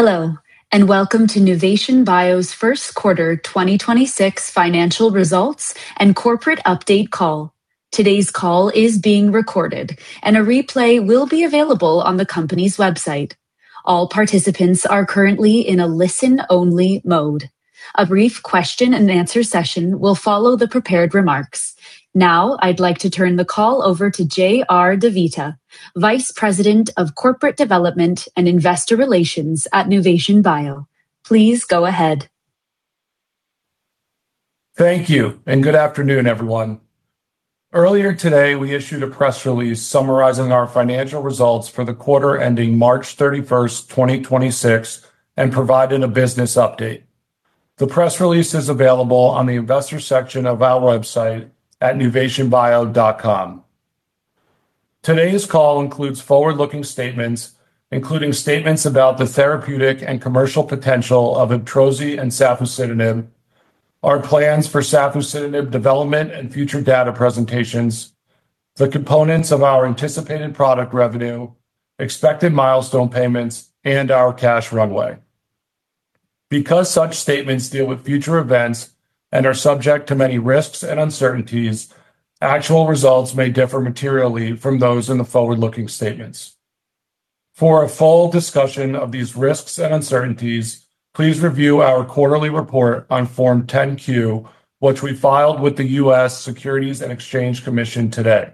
Hello, welcome to Nuvation Bio's first quarter 2026 financial results and corporate update call. Today's call is being recorded, and a replay will be available on the company's website. All participants are currently in a listen-only mode. A brief question and answer session will follow the prepared remarks. I'd like to turn the call over to JR DeVita, Vice President of Corporate Development and Investor Relations at Nuvation Bio. Please go ahead. Thank you, good afternoon, everyone. Earlier today, we issued a press release summarizing our financial results for the quarter ending March 31st, 2026 and providing a business update. The press release is available on the investor section of our website at nuvationbio.com. Today's call includes forward-looking statements, including statements about the therapeutic and commercial potential of Ibtrozi and safusidenib, our plans for safusidenib development and future data presentations, the components of our anticipated product revenue, expected milestone payments, and our cash runway. Because such statements deal with future events and are subject to many risks and uncertainties, actual results may differ materially from those in the forward-looking statements. For a full discussion of these risks and uncertainties, please review our quarterly report on Form 10-Q, which we filed with the U.S. Securities and Exchange Commission today.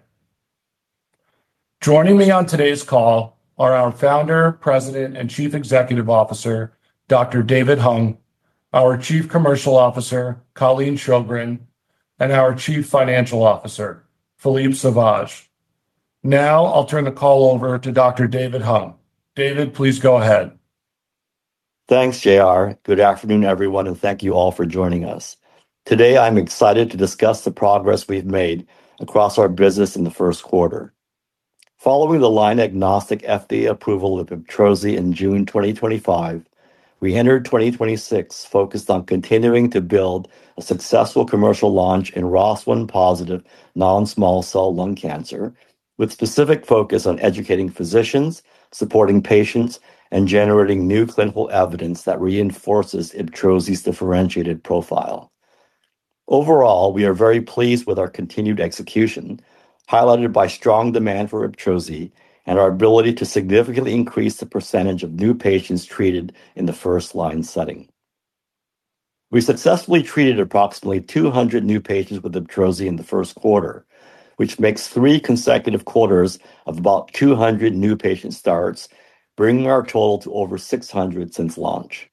Joining me on today's call are our Founder, President, and Chief Executive Officer, Dr. David Hung, our Chief Commercial Officer, Colleen Sjogren, and our Chief Financial Officer, Philippe Sauvage. I'll turn the call over to Dr. David Hung. David, please go ahead. Thanks, JR. Good afternoon, everyone, and thank you all for joining us. Today, I'm excited to discuss the progress we've made across our business in the first quarter. Following the line-agnostic FDA approval of Ibtrozi in June 2025, we entered 2026 focused on continuing to build a successful commercial launch in ROS1-positive non-small cell lung cancer, with specific focus on educating physicians, supporting patients, and generating new clinical evidence that reinforces Ibtrozi's differentiated profile. Overall, we are very pleased with our continued execution, highlighted by strong demand for Ibtrozi and our ability to significantly increase the percentage of new patients treated in the first line setting. We successfully treated approximately 200 new patients with Ibtrozi in the first quarter, which makes 3 consecutive quarters of about 200 new patient starts, bringing our total to over 600 since launch.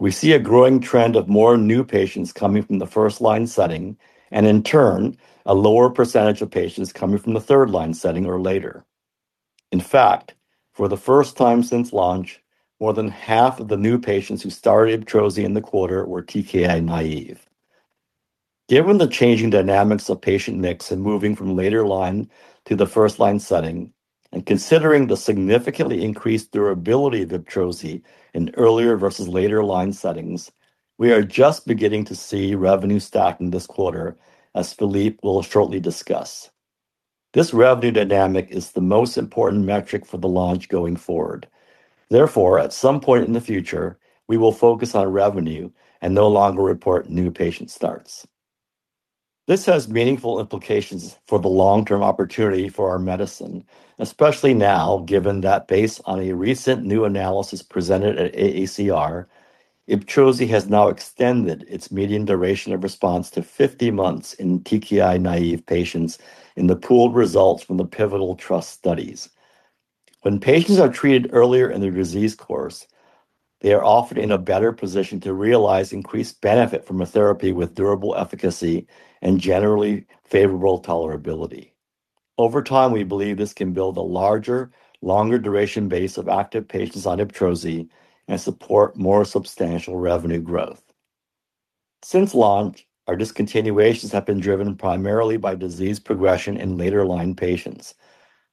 We see a growing trend of more new patients coming from the first line setting, and in turn, a lower percentage of patients coming from the third line setting or later. In fact, for the first time since launch, more than half of the new patients who started Ibtrozi in the quarter were TKI naive. Given the changing dynamics of patient mix and moving from later line to the first line setting, and considering the significantly increased durability of Ibtrozi in earlier versus later line settings, we are just beginning to see revenue stacking this quarter, as Philippe will shortly discuss. This revenue dynamic is the most important metric for the launch going forward. Therefore, at some point in the future, we will focus on revenue and no longer report new patient starts. This has meaningful implications for the long-term opportunity for our medicine, especially now, given that based on a recent new analysis presented at AACR, Ibtrozi has now extended its median duration of response to 50 months in TKI-naïve patients in the pooled results from the pivotal TRUST studies. When patients are treated earlier in their disease course, they are often in a better position to realize increased benefit from a therapy with durable efficacy and generally favorable tolerability. Over time, we believe this can build a larger, longer duration base of active patients on Ibtrozi and support more substantial revenue growth. Since launch, our discontinuations have been driven primarily by disease progression in later-line patients.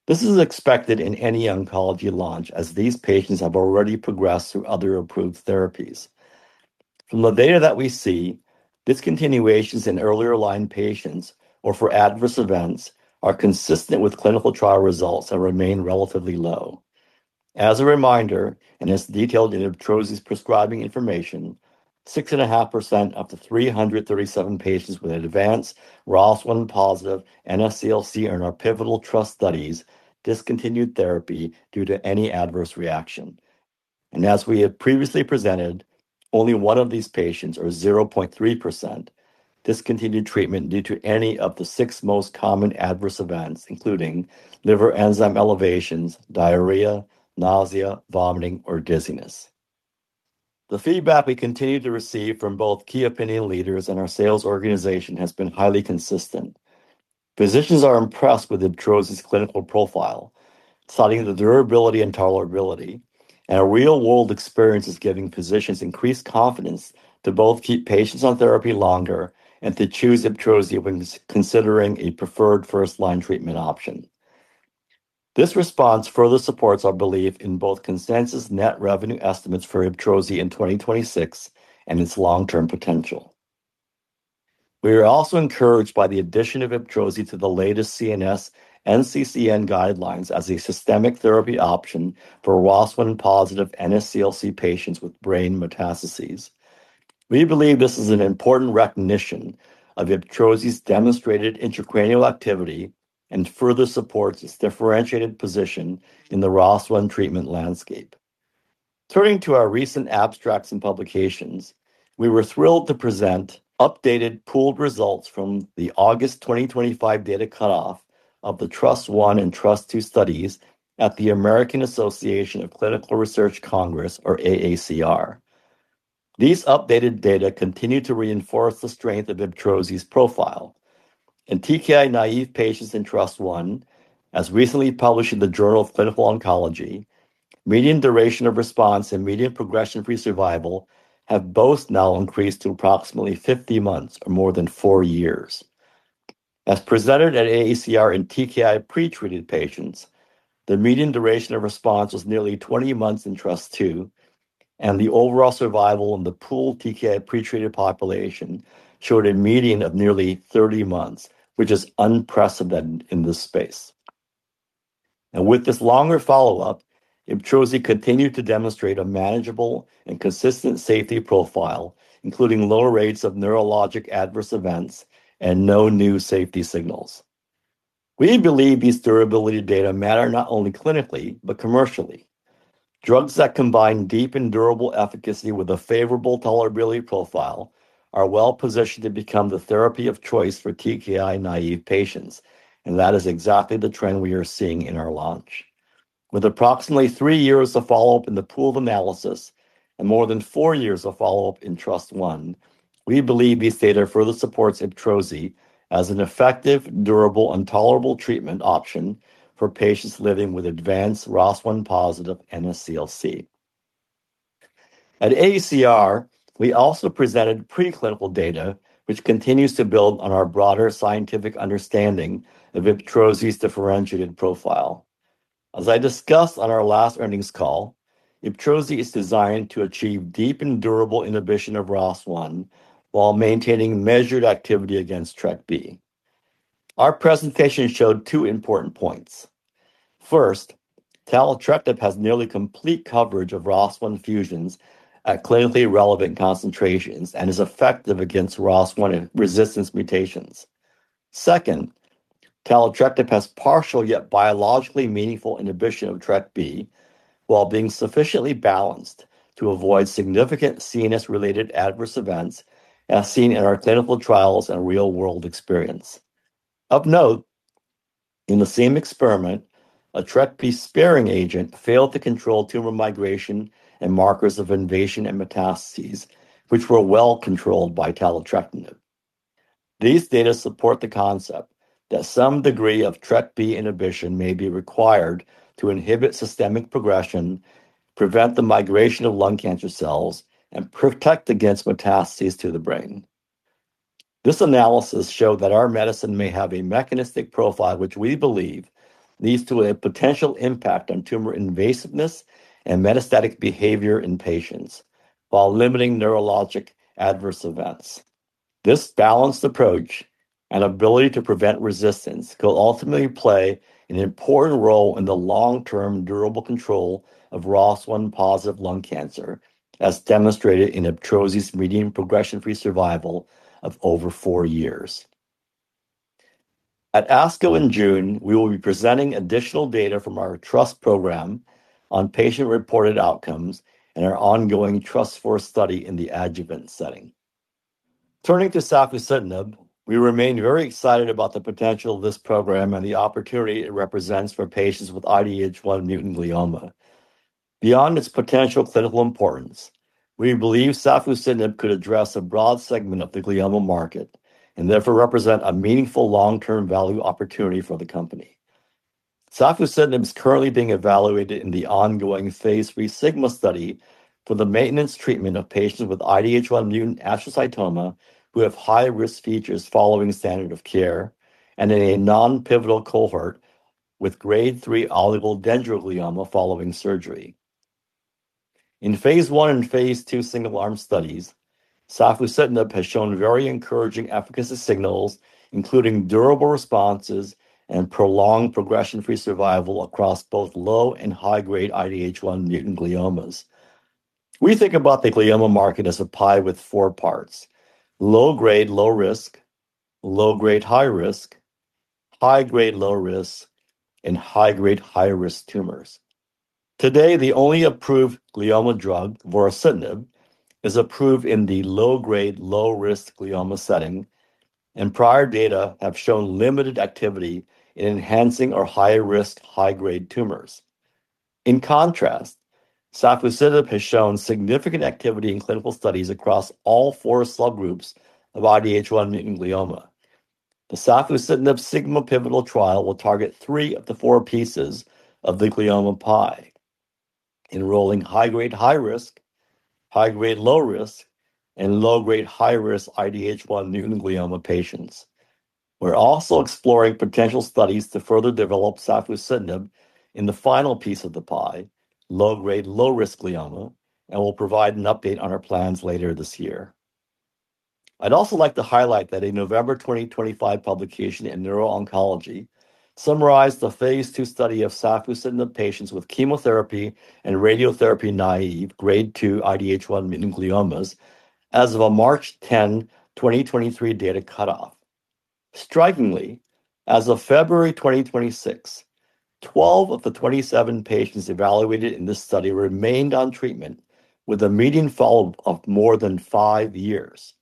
This is expected in any oncology launch, as these patients have already progressed through other approved therapies. From the data that we see, discontinuations in earlier line patients or for adverse events are consistent with clinical trial results that remain relatively low. As a reminder, and as detailed in Ibtrozi's prescribing information, 6.5% of the 337 patients with advanced ROS1-positive NSCLC in our pivotal TRUST studies discontinued therapy due to any adverse reaction. As we have previously presented, only 1 of these patients, or 0.3%, discontinued treatment due to any of the 6 most common adverse events, including liver enzyme elevations, diarrhea, nausea, vomiting, or dizziness. The feedback we continue to receive from both key opinion leaders and our sales organization has been highly consistent. Physicians are impressed with Ibtrozi's clinical profile, citing the durability and tolerability, and our real-world experience is giving physicians increased confidence to both keep patients on therapy longer and to choose Ibtrozi when considering a preferred first-line treatment option. This response further supports our belief in both consensus net revenue estimates for Ibtrozi in 2026 and its long-term potential. We are also encouraged by the addition of Ibtrozi to the latest CNS NCCN guidelines as a systemic therapy option for ROS1-positive NSCLC patients with brain metastases. We believe this is an important recognition of Ibtrozi's demonstrated intracranial activity and further supports its differentiated position in the ROS1 treatment landscape. Turning to our recent abstracts and publications, we were thrilled to present updated pooled results from the August 2025 data cutoff of the TRUST-I and TRUST-II studies at the American Association for Cancer Research Congress, or AACR. These updated data continue to reinforce the strength of Ibtrozi's profile. In TKI-naive patients in TRUST-I, as recently published in the Journal of Clinical Oncology, median duration of response and median progression-free survival have both now increased to approximately 50 months or more than 4 years. As presented at AACR in TKI pre-treated patients, the median duration of response was nearly 20 months in TRUST-II, and the overall survival in the pooled TKI pre-treated population showed a median of nearly 30 months, which is unprecedented in this space. With this longer follow-up, Ibtrozi continued to demonstrate a manageable and consistent safety profile, including low rates of neurologic adverse events and no new safety signals. We believe these durability data matter not only clinically, but commercially. Drugs that combine deep and durable efficacy with a favorable tolerability profile are well-positioned to become the therapy of choice for TKI-naïve patients and that is exactly the trend we are seeing in our launch. With approximately three years of follow-up in the pooled analysis and more than four years of follow-up in TRUST-I, we believe these data further supports Ibtrozi as an effective, durable, and tolerable treatment option for patients living with advanced ROS1-positive NSCLC. At AACR, we also presented preclinical data which continues to build on our broader scientific understanding of Ibtrozi's differentiated profile. As I discussed on our last earnings call, Ibtrozi is designed to achieve deep and durable inhibition of ROS1 while maintaining measured activity against TRK-B. Our presentation showed two important points. First, taletrectinib has nearly complete coverage of ROS1 fusions at clinically relevant concentrations and is effective against ROS1 resistance mutations. Second, taletrectinib has partial yet biologically meaningful inhibition of TRK-B while being sufficiently balanced to avoid significant CNS-related adverse events as seen in our clinical trials and real-world experience. Of note, in the same experiment, a TRK-B sparing agent failed to control tumor migration and markers of invasion and metastases, which were well-controlled by taletrectinib. These data support the concept that some degree of TRK-B inhibition may be required to inhibit systemic progression, prevent the migration of lung cancer cells, and protect against metastases to the brain. This analysis showed that our medicine may have a mechanistic profile which we believe leads to a potential impact on tumor invasiveness and metastatic behavior in patients while limiting neurologic adverse events. This balanced approach and ability to prevent resistance could ultimately play an important role in the long-term durable control of ROS1-positive lung cancer, as demonstrated in Ibtrozi's median progression-free survival of over 4 years. At ASCO in June, we will be presenting additional data from our TRUST program on patient-reported outcomes and our ongoing TRUST-IV study in the adjuvant setting. Turning to safusidenib, we remain very excited about the potential of this program and the opportunity it represents for patients with IDH1 mutant glioma. Beyond its potential clinical importance, we believe safusidenib could address a broad segment of the glioma market and therefore represent a meaningful long-term value opportunity for the company. safusidenib is currently being evaluated in the ongoing Phase III SIGMA study for the maintenance treatment of patients with IDH1 mutant astrocytoma who have high-risk features following standard of care and in a non-pivotal cohort with Grade 3 oligodendroglioma following surgery. In Phase I and Phase II single-arm studies, safusidenib has shown very encouraging efficacy signals, including durable responses and prolonged progression-free survival across both low and high-grade IDH1 mutant gliomas. We think about the glioma market as a pie with 4 parts: low-grade, low risk, low-grade, high risk, high-grade, low risk, and high-grade, high-risk tumors. Today, the only approved glioma drug, vorasidenib, is approved in the low-grade, low-risk glioma setting, and prior data have shown limited activity in enhancing our high-risk, high-grade tumors. In contrast, safusidenib has shown significant activity in clinical studies across all 4 subgroups of IDH1 mutant glioma. The safusidenib SIGMA pivotal trial will target 3 of the 4 pieces of the glioma pie, enrolling high-grade, high-risk, high-grade, low-risk, and low-grade, high-risk IDH1 mutant glioma patients. We're also exploring potential studies to further develop safusidenib in the final piece of the pie, low-grade, low-risk glioma, and we'll provide an update on our plans later this year. I'd also like to highlight that a November 2025 publication in Neuro-Oncology summarized the phase II study of safusidenib patients with chemotherapy and radiotherapy-naive grade 2 IDH1 gliomas as of a March 10, 2023 data cutoff. Strikingly, as of February 2026, 12 of the 27 patients evaluated in this study remained on treatment with a median follow-up of more than 5 years.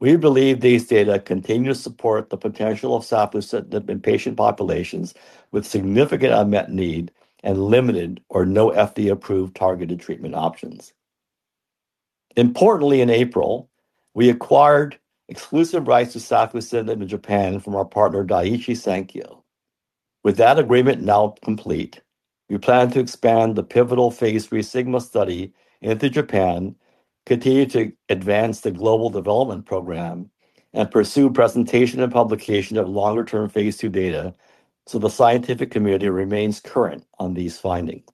We believe these data continue to support the potential of safusidenib in patient populations with significant unmet need and limited or no FDA-approved targeted treatment options. Importantly, in April, we acquired exclusive rights to safusidenib in Japan from our partner, Daiichi Sankyo. With that agreement now complete, we plan to expand the pivotal phase III SIGMA study into Japan, continue to advance the global development program, and pursue presentation and publication of longer-term phase II data so the scientific community remains current on these findings.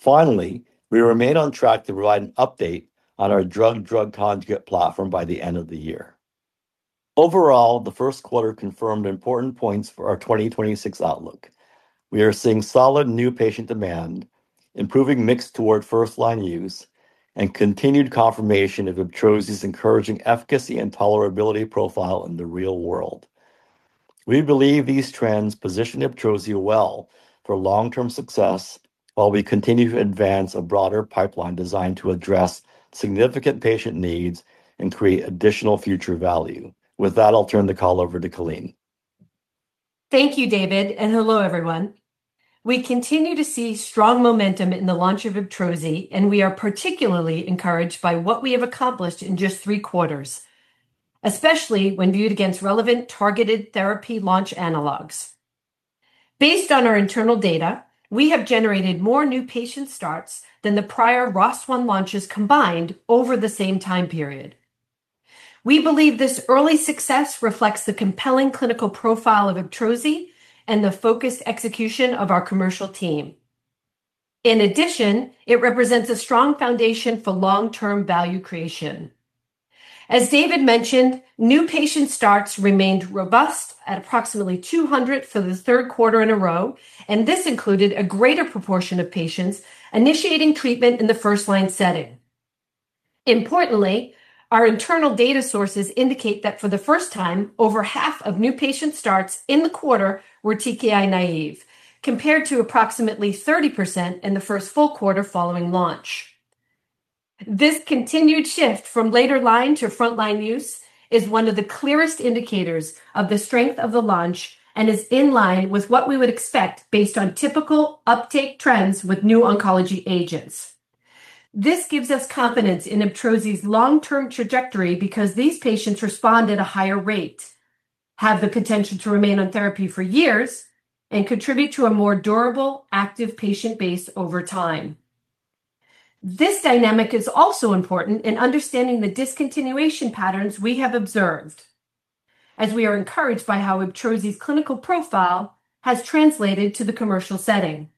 Finally, we remain on track to provide an update on our drug-drug conjugate platform by the end of the year. Overall, the first quarter confirmed important points for our 2026 outlook. We are seeing solid new patient demand, improving mix toward first-line use, and continued confirmation of Ibtrozi's encouraging efficacy and tolerability profile in the real world. We believe these trends position Ibtrozi well for long-term success while we continue to advance a broader pipeline designed to address significant patient needs and create additional future value. With that, I'll turn the call over to Colleen. Thank you, David, and hello, everyone. We continue to see strong momentum in the launch of Ibtrozi, and we are particularly encouraged by what we have accomplished in just three quarters, especially when viewed against relevant targeted therapy launch analogs. Based on our internal data, we have generated more new patient starts than the prior ROS1 launches combined over the same time period. We believe this early success reflects the compelling clinical profile of Ibtrozi and the focused execution of our commercial team. In addition, it represents a strong foundation for long-term value creation. As David mentioned, new patient starts remained robust at approximately 200 for the third quarter in a row, and this included a greater proportion of patients initiating treatment in the first line setting. Importantly, our internal data sources indicate that for the first time, over half of new patient starts in the quarter were TKI naive, compared to approximately 30% in the first full quarter following launch. This continued shift from later line to front line use is one of the clearest indicators of the strength of the launch and is in line with what we would expect based on typical uptake trends with new oncology agents. This gives us confidence in Ibtrozi's long-term trajectory because these patients respond at a higher rate, have the potential to remain on therapy for years, and contribute to a more durable, active patient base over time. This dynamic is also important in understanding the discontinuation patterns we have observed, as we are encouraged by how Ibtrozi's clinical profile has translated to the commercial setting.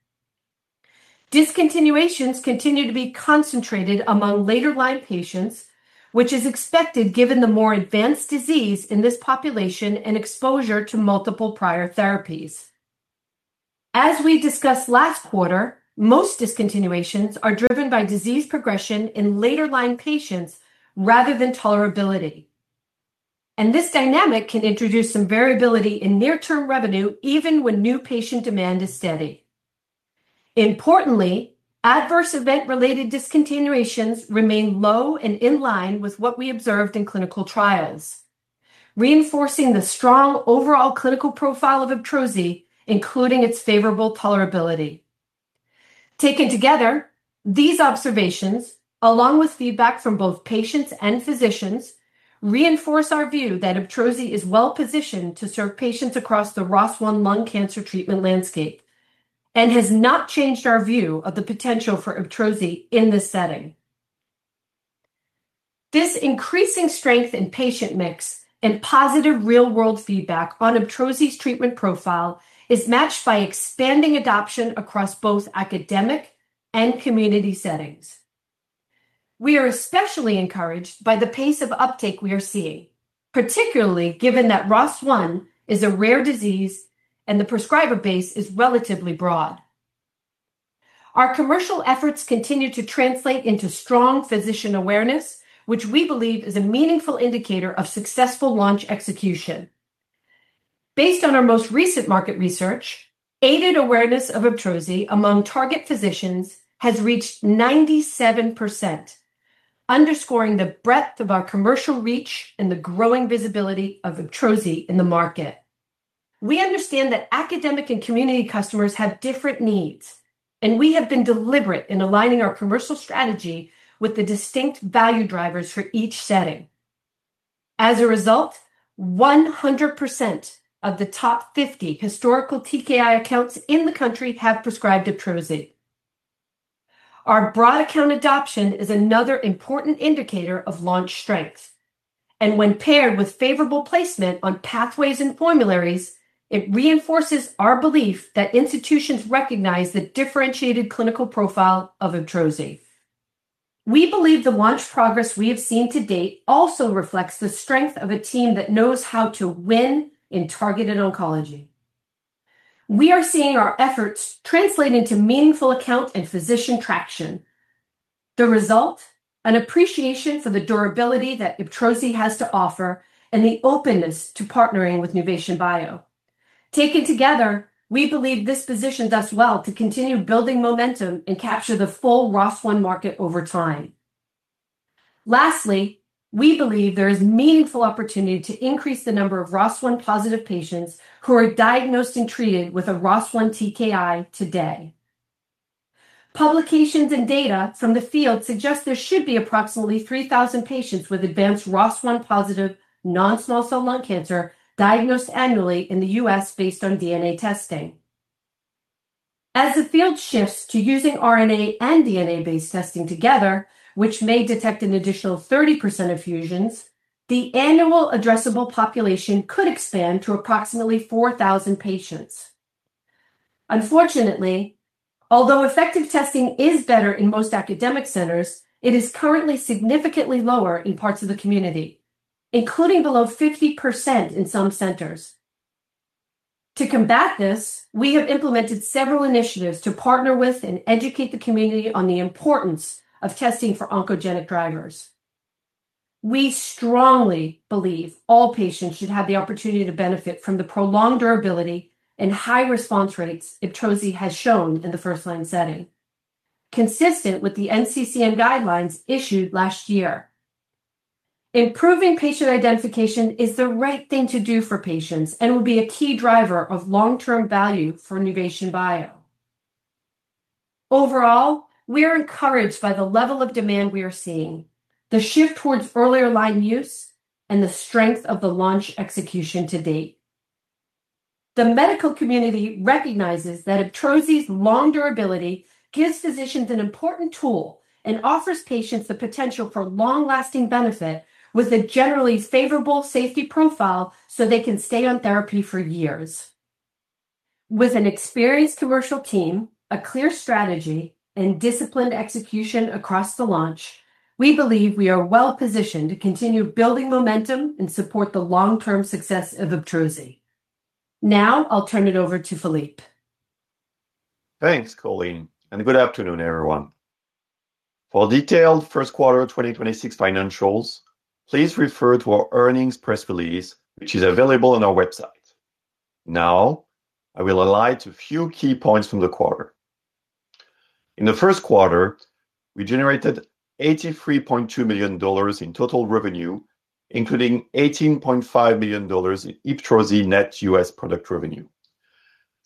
Discontinuations continue to be concentrated among later line patients, which is expected given the more advanced disease in this population and exposure to multiple prior therapies. As we discussed last quarter, most discontinuations are driven by disease progression in later line patients rather than tolerability. This dynamic can introduce some variability in near-term revenue even when new patient demand is steady. Importantly, adverse event-related discontinuations remain low and in line with what we observed in clinical trials, reinforcing the strong overall clinical profile of Ibtrozi, including its favorable tolerability. Taken together, these observations, along with feedback from both patients and physicians, reinforce our view that Ibtrozi is well positioned to serve patients across the ROS1 lung cancer treatment landscape and has not changed our view of the potential for Ibtrozi in this setting. This increasing strength in patient mix and positive real-world feedback on Ibtrozi's treatment profile is matched by expanding adoption across both academic and community settings. We are especially encouraged by the pace of uptake we are seeing, particularly given that ROS1 is a rare disease and the prescriber base is relatively broad. Our commercial efforts continue to translate into strong physician awareness, which we believe is a meaningful indicator of successful launch execution. Based on our most recent market research, aided awareness of Ibtrozi among target physicians has reached 97%, underscoring the breadth of our commercial reach and the growing visibility of Ibtrozi in the market. We understand that academic and community customers have different needs, and we have been deliberate in aligning our commercial strategy with the distinct value drivers for each setting. As a result, 100% of the top 50 historical TKI accounts in the country have prescribed Ibtrozi. Our broad account adoption is another important indicator of launch strength. When paired with favorable placement on pathways and formularies, it reinforces our belief that institutions recognize the differentiated clinical profile of Ibtrozi. We believe the launch progress we have seen to date also reflects the strength of a team that knows how to win in targeted oncology. We are seeing our efforts translate into meaningful account and physician traction. The result, an appreciation for the durability that Ibtrozi has to offer and the openness to partnering with Nuvation Bio. Taken together, we believe this positions us well to continue building momentum and capture the full ROS1 market over time. Lastly, we believe there is meaningful opportunity to increase the number of ROS1 positive patients who are diagnosed and treated with a ROS1 TKI today. Publications and data from the field suggest there should be approximately 3,000 patients with advanced ROS1 positive non-small cell lung cancer diagnosed annually in the U.S. based on DNA testing. As the field shifts to using RNA and DNA-based testing together, which may detect an additional 30% of fusions, the annual addressable population could expand to approximately 4,000 patients. Unfortunately, although effective testing is better in most academic centers, it is currently significantly lower in parts of the community, including below 50% in some centers. To combat this, we have implemented several initiatives to partner with and educate the community on the importance of testing for oncogenic drivers. We strongly believe all patients should have the opportunity to benefit from the prolonged durability and high response rates Ibtrozi has shown in the first-line setting, consistent with the NCCN guidelines issued last year. Improving patient identification is the right thing to do for patients and will be a key driver of long-term value for Nuvation Bio. Overall, we are encouraged by the level of demand we are seeing, the shift towards earlier-line use, and the strength of the launch execution to date. The medical community recognizes that Ibtrozi's long durability gives physicians an important tool and offers patients the potential for long-lasting benefit with a generally favorable safety profile, so they can stay on therapy for years. With an experienced commercial team, a clear strategy, and disciplined execution across the launch, we believe we are well-positioned to continue building momentum and support the long-term success of Ibtrozi. Now I'll turn it over to Philippe. Thanks, Colleen, and good afternoon, everyone. For detailed first quarter 2026 financials, please refer to our earnings press release, which is available on our website. Now I will align to a few key points from the quarter. In the first quarter, we generated $83.2 million in total revenue, including $18.5 million in Ibtrozi net U.S. product revenue.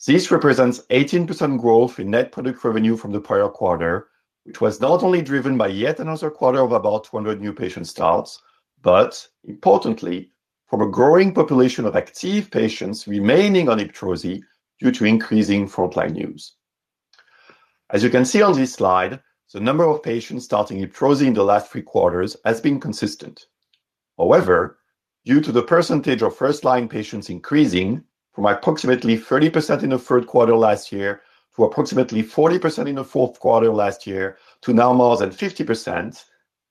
This represents 18% growth in net product revenue from the prior quarter, which was not only driven by yet another quarter of about 200 new patient starts, but importantly, from a growing population of active patients remaining on Ibtrozi due to increasing frontline use. As you can see on this slide, the number of patients starting Ibtrozi in the last three quarters has been consistent. However, due to the percentage of first-line patients increasing from approximately 30% in the 3rd quarter last year to approximately 40% in the 4th quarter last year to now more than 50%,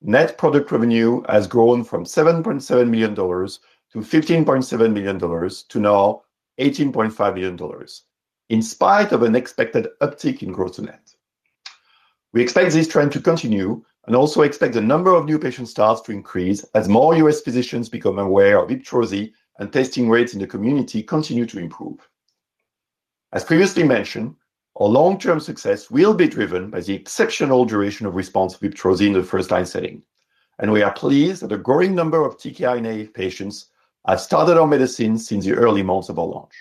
net product revenue has grown from $7.7 million to $15.7 million to now $18.5 million, in spite of an expected uptick in gross to net. We expect this trend to continue and also expect the number of new patient starts to increase as more U.S. physicians become aware of Ibtrozi and testing rates in the community continue to improve. As previously mentioned, our long-term success will be driven by the exceptional duration of response of Ibtrozi in the first-line setting, and we are pleased that a growing number of TKI-naive patients have started on medicine since the early months of our launch.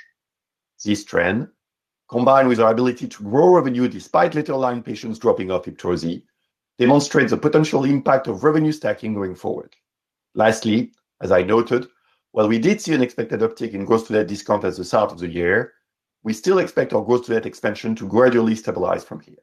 This trend, combined with our ability to grow revenue despite later-line patients dropping off Ibtrozi, demonstrates the potential impact of revenue stacking going forward. Lastly, as I noted, while we did see an expected uptick in gross to net discount at the start of the year, we still expect our gross to net expansion to gradually stabilize from here.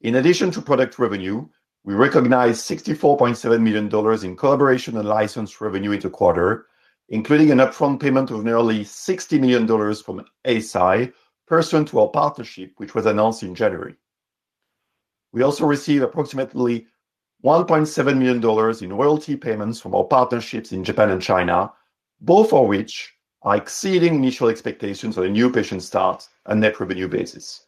In addition to product revenue, we recognized $64.7 million in collaboration and license revenue in the quarter, including an upfront payment of nearly $60 million from Eisai pursuant to our partnership, which was announced in January. We also received approximately $1.7 million in royalty payments from our partnerships in Japan and China, both of which are exceeding initial expectations on a new patient start and net revenue basis.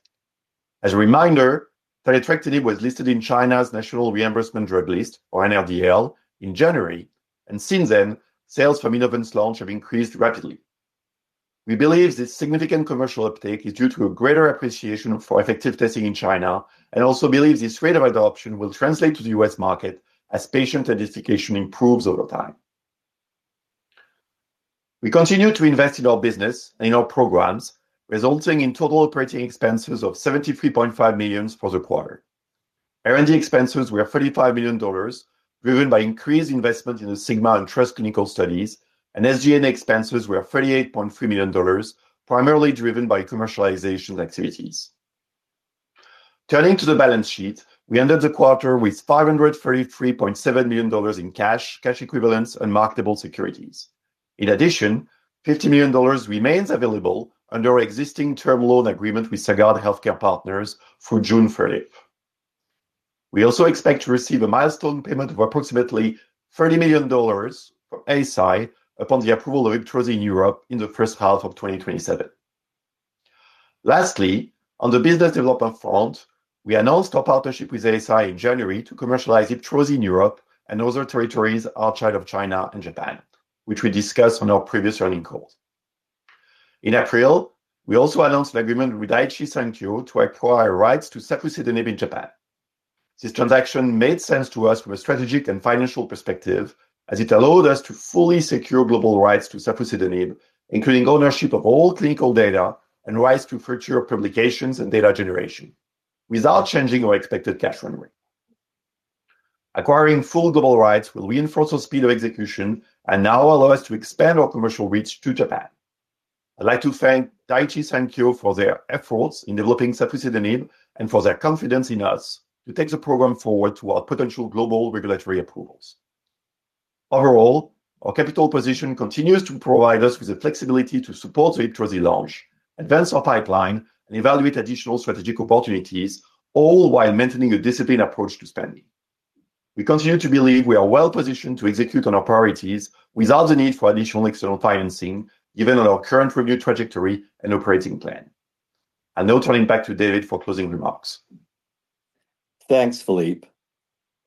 As a reminder, taletrectinib was listed in China's National Reimbursement Drug List, or NRDL, in January. Since then, sales from Iovance launch have increased rapidly. We believe this significant commercial uptake is due to a greater appreciation for effective testing in China and also believe this rate of adoption will translate to the U.S. market as patient identification improves over time. We continue to invest in our business and in our programs, resulting in total operating expenses of $73.5 million for the quarter. R&D expenses were $35 million, driven by increased investment in the SIGMA and TRUST clinical studies. SG&A expenses were $38.3 million, primarily driven by commercialization activities. Turning to the balance sheet, we ended the quarter with $533.7 million in cash equivalents, and marketable securities. In addition, $50 million remains available under our existing term loan agreement with Sagard Healthcare Partners through June 30th. We also expect to receive a milestone payment of approximately $30 million from ASI upon the approval of Ibtrozi in Europe in the first half of 2027. Lastly, on the business development front, we announced our partnership with ASI in January to commercialize Ibtrozi in Europe and other territories outside of China and Japan, which we discussed on our previous earnings call. In April, we also announced an agreement with Daiichi Sankyo to acquire rights to safusidenib in Japan. This transaction made sense to us from a strategic and financial perspective, as it allowed us to fully secure global rights to safusidenib, including ownership of all clinical data and rights to future publications and data generation, without changing our expected cash run rate. Acquiring full global rights will reinforce our speed of execution and now allow us to expand our commercial reach to Japan. I'd like to thank Daiichi Sankyo for their efforts in developing safusidenib and for their confidence in us to take the program forward to our potential global regulatory approvals. Overall, our capital position continues to provide us with the flexibility to support the Ibtrozi launch, advance our pipeline, and evaluate additional strategic opportunities, all while maintaining a disciplined approach to spending. We continue to believe we are well-positioned to execute on our priorities without the need for additional external financing, given our current revenue trajectory and operating plan. I am now turning back to David for closing remarks. Thanks, Philippe.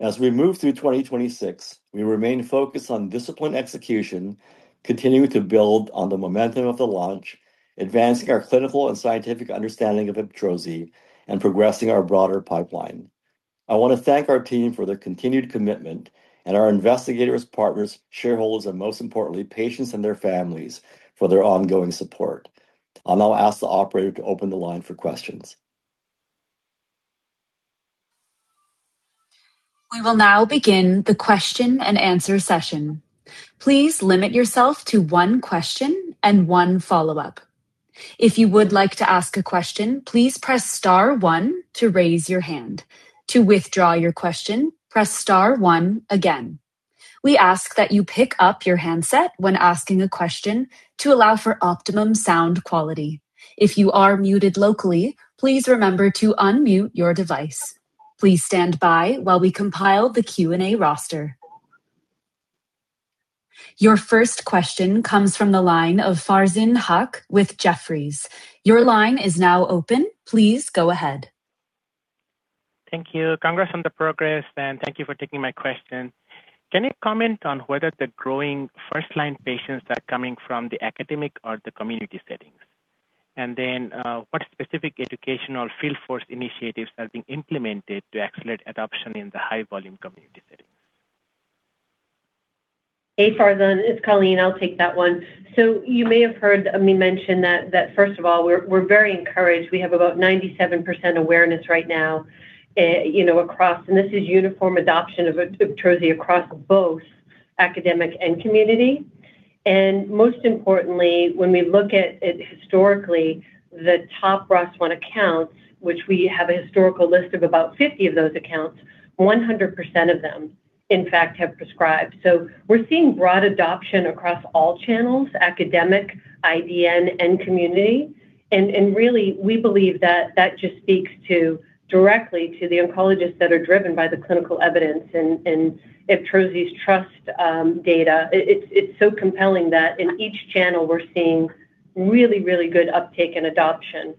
As we move through 2026, we remain focused on disciplined execution, continuing to build on the momentum of the launch, advancing our clinical and scientific understanding of IBTROZI, and progressing our broader pipeline. I want to thank our team for their continued commitment, and our investigators, partners, shareholders, and most importantly, patients and their families for their ongoing support. I'll now ask the operator to open the line for questions. We will now begin the question-and-answer session. Please limit yourself to one question and one follow-up. If you would like to ask a question, please press star one to raise your hand. To withdraw your question, press star one again. We ask that you pick up your handset when asking a question to allow for optimum sound quality. If you are muted locally, please remember to unmute your device. Please stand by while we compile the Q&A roster. Your first question comes from the line of Farzin Haque with Jefferies. Your line is now open. Please go ahead. Thank you. Congrats on the progress, and thank you for taking my question. Can you comment on whether the growing first-line patients are coming from the academic or the community settings? What specific educational field force initiatives are being implemented to accelerate adoption in the high-volume community settings? Hey, Farzin Haque, it's Colleen Sjogren. I'll take that one. You may have heard me mention that first of all, we're very encouraged. We have about 97% awareness right now, you know, across. This is uniform adoption of Ibtrozi across both academic and community. Most importantly, when we look at it historically, the top ROS1 accounts, which we have a historical list of about 50 of those accounts, 100% of them, in fact, have prescribed. We're seeing broad adoption across all channels, academic, IDN, and community. Really, we believe that that just speaks directly to the oncologists that are driven by the clinical evidence and Ibtrozi's TRUST data. It's so compelling that in each channel, we're seeing really good uptake and adoption.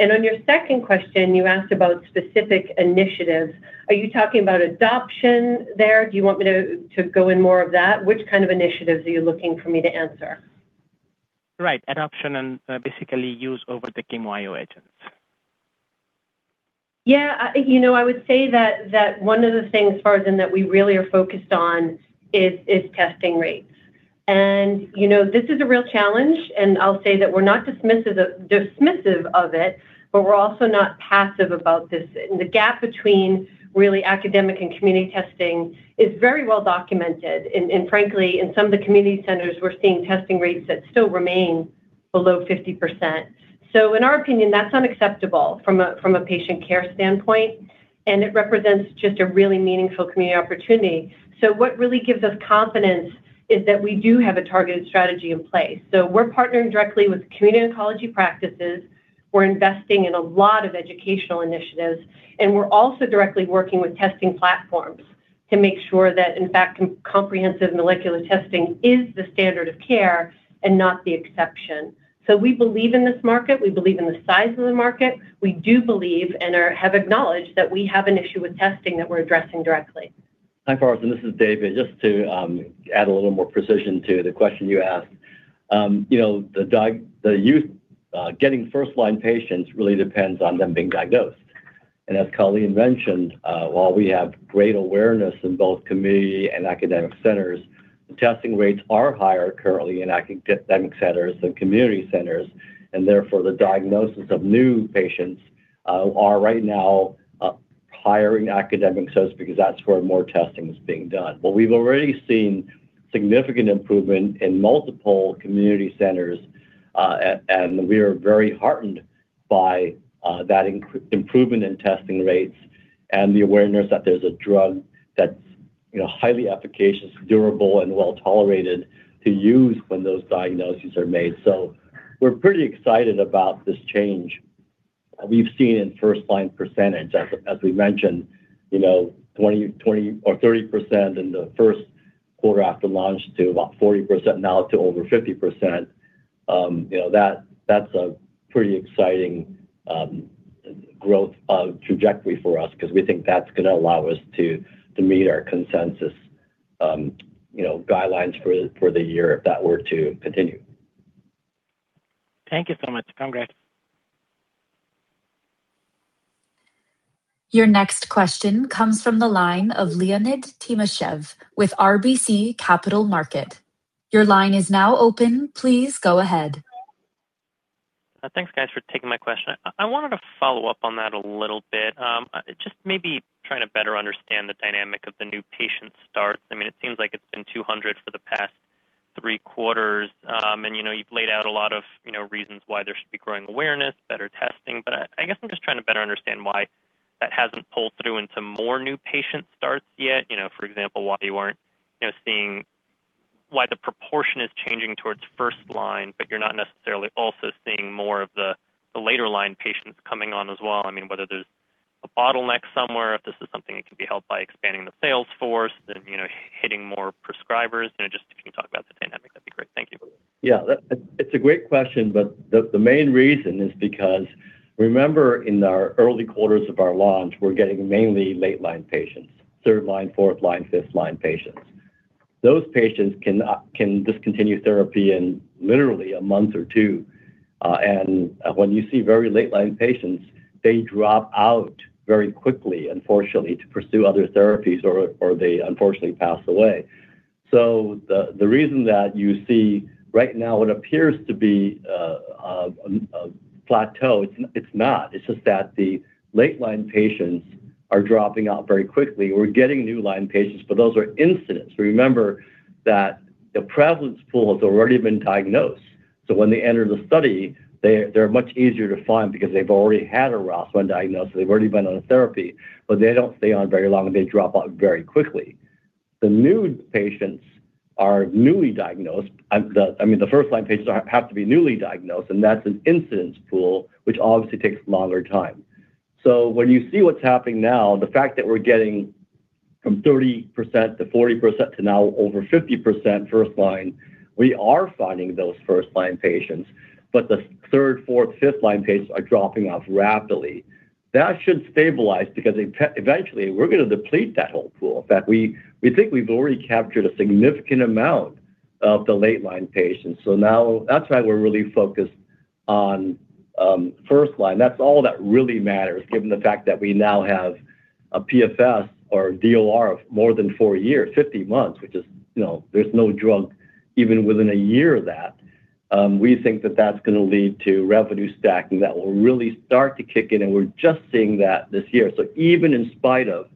On your second question, you asked about specific initiatives. Are you talking about adoption there? Do you want me to go in more of that? Which kind of initiatives are you looking for me to answer? Right. Adoption and basically use over the chemo agents. Yeah. You know, I would say that one of the things, Farzin, that we really are focused on is testing rates. You know, this is a real challenge, and I'll say that we're not dismissive of it, but we're also not passive about this. The gap between really academic and community testing is very well documented. Frankly, in some of the community centers, we're seeing testing rates that still remain below 50%. In our opinion, that's unacceptable from a patient care standpoint, and it represents just a really meaningful community opportunity. What really gives us confidence is that we do have a targeted strategy in place. We're partnering directly with community oncology practices. We're investing in a lot of educational initiatives. We're also directly working with testing platforms to make sure that, in fact, comprehensive molecular testing is the standard of care and not the exception. We believe in this market. We believe in the size of the market. We do believe and have acknowledged that we have an issue with testing that we're addressing directly. Hi, Farzin, this is David. Just to add a little more precision to the question you asked. You know, the use, getting first-line patients really depends on them being diagnosed. As Colleen mentioned, while we have great awareness in both community and academic centers, the testing rates are higher currently in academic centers than community centers. Therefore, the diagnosis of new patients are right now higher in academic sites because that's where more testing is being done. We've already seen significant improvement in multiple community centers, and we are very heartened by that improvement in testing rates and the awareness that there's a drug that's, you know, highly efficacious, durable, and well-tolerated to use when those diagnoses are made. We're pretty excited about this change. We've seen in first line percentage, as we mentioned, you know, 20% or 30% in the first quarter after launch to about 40% now to over 50%. You know, that's a pretty exciting growth trajectory for us because we think that's gonna allow us to meet our consensus, you know, guidelines for the year if that were to continue. Thank you so much. Congrats. Your next question comes from the line of Leonid Timashev with RBC Capital Markets. Your line is now open. Please go ahead. Thanks guys for taking my question. I wanted to follow up on that a little bit. Just maybe trying to better understand the dynamic of the new patient starts. I mean, it seems like it's been 200 for the past 3 quarters. And you've laid out a lot of reasons why there should be growing awareness, better testing. I guess I'm just trying to better understand why that hasn't pulled through into more new patient starts yet. For example, why you aren't seeing why the proportion is changing towards 1st line, but you're not necessarily also seeing more of the later-line patients coming on as well. I mean, whether there's a bottleneck somewhere, if this is something that can be helped by expanding the sales force then hitting more prescribers. You know, just if you can talk about the dynamic, that'd be great. Thank you. Yeah. It's a great question, but the main reason is because remember in our early quarters of our launch, we're getting mainly late line patients, third line, fourth line, fifth line patients. Those patients can discontinue therapy in literally a month or two. When you see very late line patients, they drop out very quickly, unfortunately, to pursue other therapies or they unfortunately pass away. The reason that you see right now what appears to be a plateau, it's not. It's just that the late line patients are dropping out very quickly. We're getting new line patients, but those are incidents. Remember that the prevalence pool has already been diagnosed, when they enter the study, they are much easier to find because they've already had a ROS1 diagnosis. They've already been on a therapy, but they don't stay on very long, and they drop out very quickly. The new patients are newly diagnosed. I mean, the first line patients have to be newly diagnosed, and that's an incidence pool, which obviously takes longer time. When you see what's happening now, the fact that we're getting from 30% to 40% to now over 50% first line, we are finding those first line patients, but the 3rd, 4th, 5th line patients are dropping off rapidly. That should stabilize because eventually we're gonna deplete that whole pool. In fact, we think we've already captured a significant amount of the late line patients. Now that's why we're really focused on first line. That's all that really matters given the fact that we now have a PFS or DOR of more than four years, 50 months, which is, you know, there's no drug even within a year of that. We think that that's gonna lead to revenue stacking that will really start to kick in, and we're just seeing that this year. Even in spite of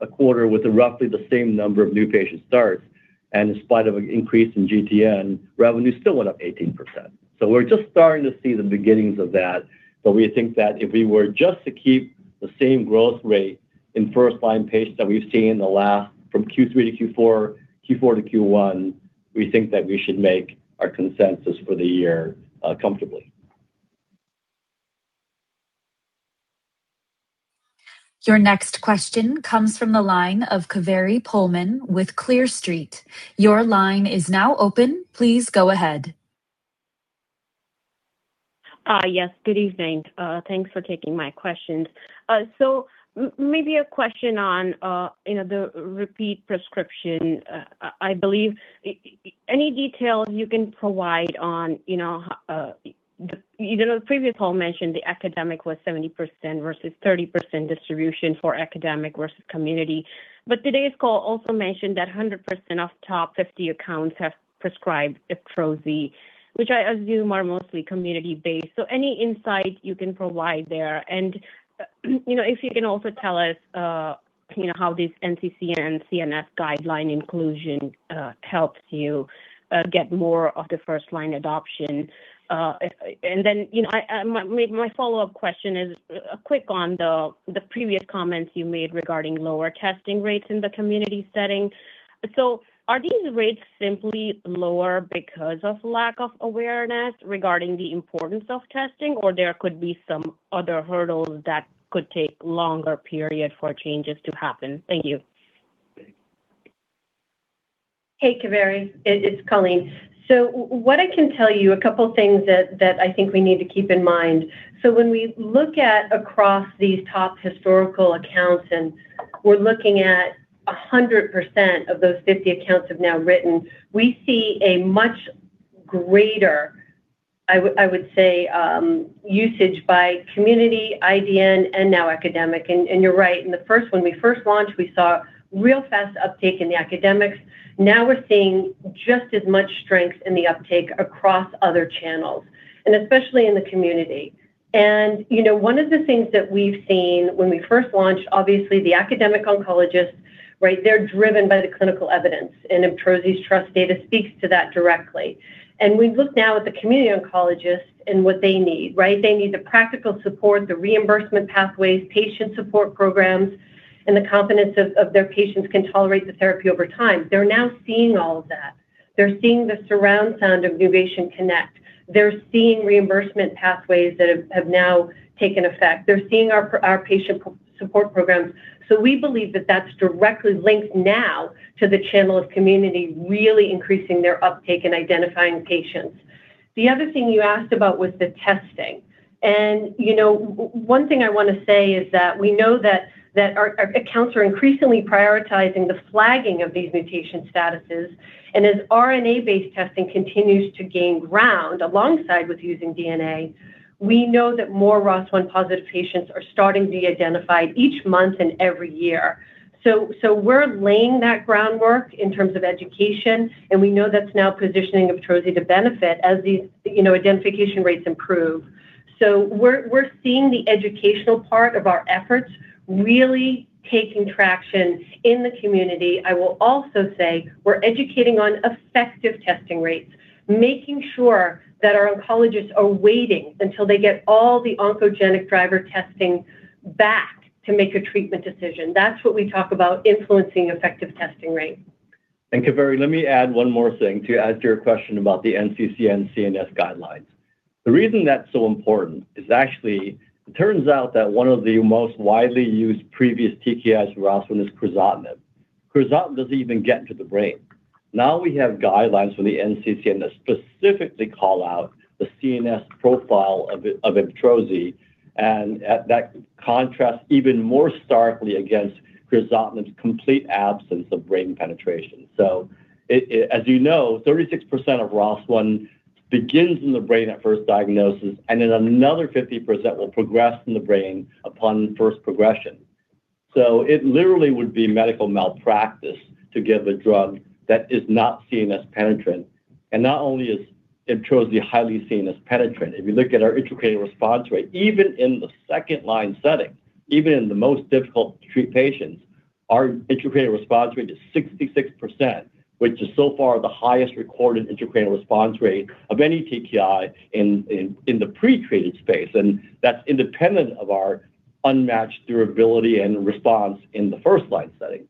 a quarter with roughly the same number of new patient starts and in spite of an increase in GTN, revenue still went up 18%. We're just starting to see the beginnings of that, but we think that if we were just to keep the same growth rate in first-line patients that we've seen in the last from Q3 to Q4 to Q1, we think that we should make our consensus for the year comfortably. Your next question comes from the line of Kaveri Pohlman with Clear Street. Your line is now open. Please go ahead. Yes. Good evening. Thanks for taking my questions. So maybe a question on, you know, the repeat prescription. I believe any details you can provide on, you know, you know, the previous call mentioned the academic was 70% versus 30% distribution for academic versus community. Today's call also mentioned that 100% of top 50 accounts have prescribed Ibtrozi, which I assume are mostly community-based. Any insight you can provide there. You know, if you can also tell us, you know, how this NCCN CNS guideline inclusion helps you get more of the first-line adoption. Then, you know, I, my follow-up question is quick on the previous comments you made regarding lower testing rates in the community setting. Are these rates simply lower because of lack of awareness regarding the importance of testing, or there could be some other hurdles that could take longer period for changes to happen? Thank you. Thank you. Hey, Kaveri. It's Colleen. What I can tell you, a couple things that I think we need to keep in mind. When we look at across these top historical accounts and we're looking at 100% of those 50 accounts have now written, we see a much greater, I would, I would say, usage by community, IDN, and now academic. And you're right. In the first one, we first launched, we saw real fast uptake in the academics. Now we're seeing just as much strength in the uptake across other channels, especially in the community. You know, one of the things that we've seen when we first launched, obviously the academic oncologists, right, they're driven by the clinical evidence, Ibtrozi's TRUST data speaks to that directly. We look now at the community oncologists and what they need, right? They need the practical support, the reimbursement pathways, patient support programs, and the confidence of their patients can tolerate the therapy over time. They're now seeing all of that. They're seeing the surround sound of NuvationConnect. They're seeing reimbursement pathways that have now taken effect. They're seeing our patient support programs. We believe that that's directly linked now to the channel of community really increasing their uptake in identifying patients. The other thing you asked about was the testing. You know, one thing I want to say is that we know that our accounts are increasingly prioritizing the flagging of these mutation statuses. As RNA-based testing continues to gain ground alongside with using DNA, we know that more ROS1-positive patients are starting to be identified each month and every year. We're laying that groundwork in terms of education, and we know that's now positioning Ibtrozi to benefit as these, you know, identification rates improve. We're seeing the educational part of our efforts really taking traction in the community. I will also say we're educating on effective testing rates, making sure that our oncologists are waiting until they get all the oncogenic driver testing back to make a treatment decision. That's what we talk about influencing effective testing rates. Thank you, Kaveri. Let me add one more thing to add to your question about the NCCN CNS guidelines. The reason that's so important is actually it turns out that one of the most widely used previous TKIs for ROS1 is crizotinib. crizotinib doesn't even get into the brain. We have guidelines from the NCCN that specifically call out the CNS profile of Ibtrozi, and at that contrast even more starkly against crizotinib's complete absence of brain penetration. As you know, 36% of ROS1 begins in the brain at first diagnosis, and then another 50% will progress in the brain upon first progression. It literally would be medical malpractice to give a drug that is not CNS penetrant. Not only is Ibtrozi highly CNS penetrant, if you look at our integrated response rate, even in the second-line setting, even in the most difficult to treat patients, our integrated response rate is 66%, which is so far the highest recorded integrated response rate of any TKI in the pre-treated space. That's independent of our unmatched durability and response in the first-line setting.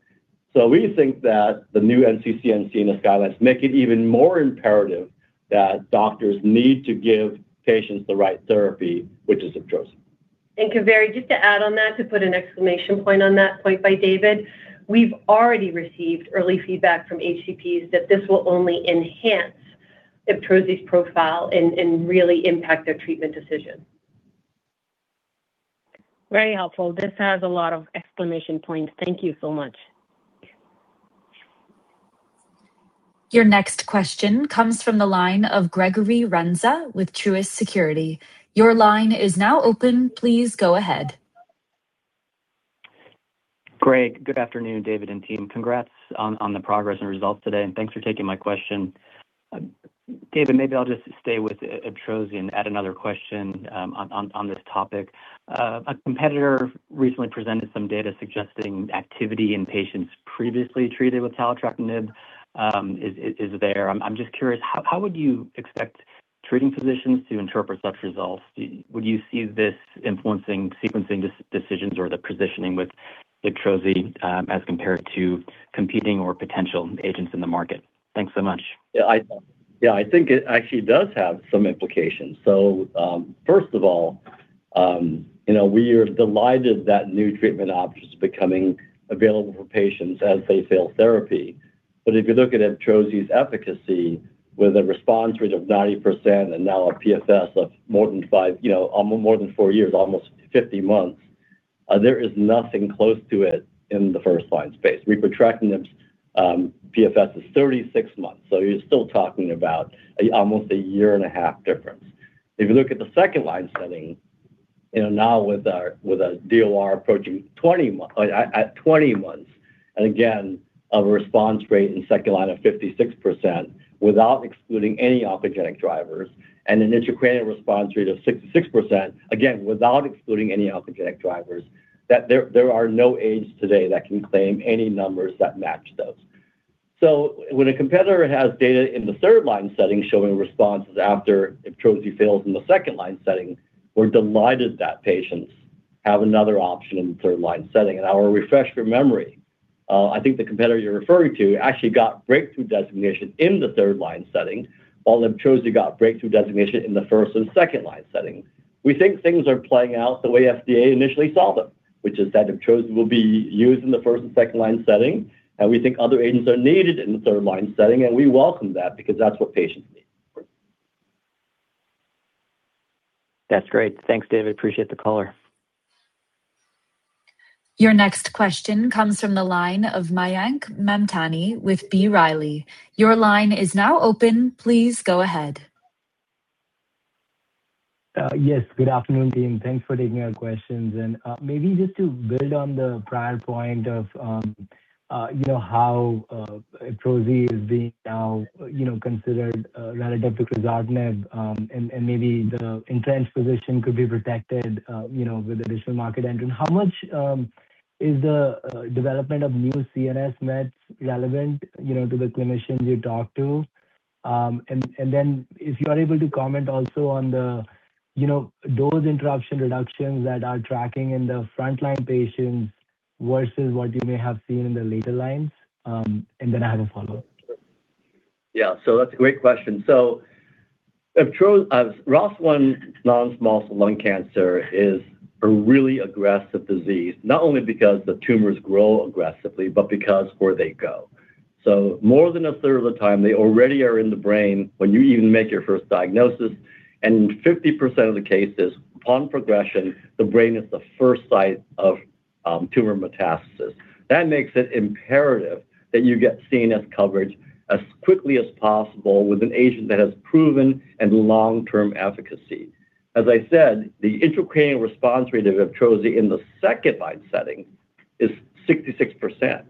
We think that the new NCCN CNS guidelines make it even more imperative that doctors need to give patients the right therapy, which is Ibtrozi. Thank you, Kaveri. Just to add on that, to put an exclamation point on that point by David, we've already received early feedback from HCPs that this will only enhance Ibtrozi's profile and really impact their treatment decision. Very helpful. This has a lot of exclamation points. Thank you so much. Your next question comes from the line of Gregory Renza with Truist Securities. Your line is now open. Please go ahead. Greg, good afternoon, David and team. Congrats on the progress and results today, Thanks for taking my question. David, maybe I'll just stay with Ibtrozi and add another question on this topic. A competitor recently presented some data suggesting activity in patients previously treated with taletrectinib, is there. I'm just curious, how would you expect treating physicians to interpret such results? Would you see this influencing sequencing decisions or the positioning with Ibtrozi as compared to competing or potential agents in the market? Thanks so much. Yeah, I think it actually does have some implications. First of all, you know, we are delighted that new treatment options are becoming available for patients as they fail therapy. If you look at Ibtrozi's efficacy with a response rate of 90% and now a PFS of more than 5, you know, more than 4 years, almost 50 months, there is nothing close to it in the first-line space. Repotrectinib's PFS is 36 months, so you're still talking about almost a year and a half difference. If you look at the second-line setting, you know, now with our, with a DOR approaching 20 mon... at 20 months, and again, a response rate in second line of 56% without excluding any oncogenic drivers and an integrated response rate of 66%, again, without excluding any oncogenic drivers, there are no agents today that can claim any numbers that match those. When a competitor has data in the third-line setting showing responses after Ibtrozi fails in the second-line setting, we're delighted that patients have another option in the third-line setting. I will refresh your memory. I think the competitor you're referring to actually got breakthrough designation in the third-line setting while Ibtrozi got breakthrough designation in the first and second-line setting. We think things are playing out the way FDA initially saw them, which is that Ibtrozi will be used in the first and second-line setting. We think other agents are needed in the third-line setting. We welcome that because that's what patients need. That's great. Thanks, David. Appreciate the color. Your next question comes from the line of Mayank Mamtani with B. Riley. Your line is now open. Please go ahead. Yes. Good afternoon, team. Thanks for taking our questions. Maybe just to build on the prior point of how Ibtrozi is being now considered relative to crizotinib, and maybe the entrenched position could be protected with additional market entry. How much is the development of new CNS meds relevant to the clinicians you talk to? If you are able to comment also on those interruption reductions that are tracking in the frontline patients versus what you may have seen in the later lines. Then I have a follow-up. That's a great question. ROS1 non-small cell lung cancer is a really aggressive disease, not only because the tumors grow aggressively, but because where they go. More than a third of the time, they already are in the brain when you even make your first diagnosis. 50% of the cases, upon progression, the brain is the first site of tumor metastasis. That makes it imperative that you get CNS coverage as quickly as possible with an agent that has proven and long-term efficacy. As I said, the intracranial response rate of Ibtrozi in the second-line setting is 66%.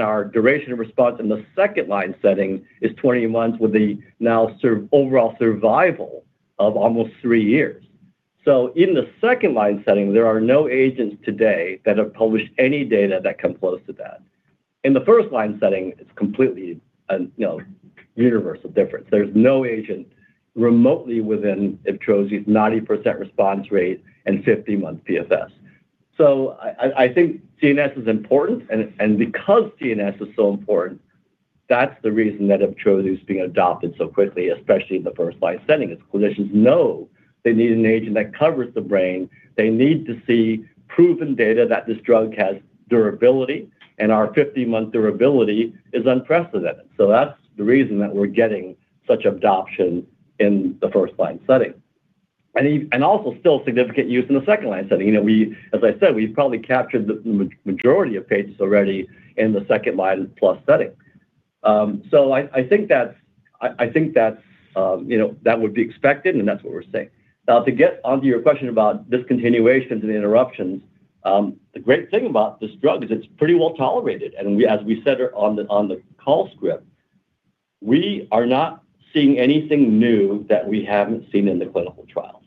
Our duration of response in the second-line setting is 20 months with the now overall survival of almost 3 years. In the 2nd-line setting, there are no agents today that have published any data that come close to that. In the 1st-line setting, it's completely a, you know, universal difference. There's no agent remotely within Ibtrozi's 90% response rate and 50-month PFS. I think CNS is important and because CNS is so important, that's the reason that Ibtrozi is being adopted so quickly, especially in the 1st-line setting, is clinicians know they need an agent that covers the brain. They need to see proven data that this drug has durability, and our 50-month durability is unprecedented. That's the reason that we're getting such adoption in the 1st-line setting. And also still significant use in the 2nd-line setting. You know, as I said, we've probably captured the majority of patients already in the 2nd-line plus setting. I think that's, you know, that would be expected, and that's what we're seeing. Now, to get onto your question about discontinuations and interruptions, the great thing about this drug is it's pretty well-tolerated. As we said on the call script, we are not seeing anything new that we haven't seen in the clinical trials.